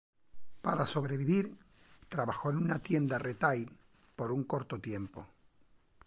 Para sobrevivir, trabajó en una tienda Retail por un corto tiempo.